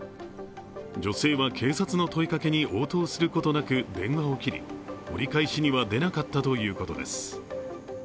女性は警察の問いかけに応答することなく電話を切り、折り返しには出なかったということです。